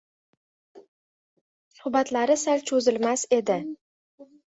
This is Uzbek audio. Suhbatlari sal cho‘zilmas edi.